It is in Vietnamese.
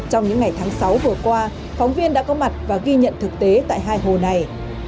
hồi qua phóng viên đã có mặt và ghi nhận thực tế tại hai hồ này